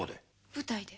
舞台で。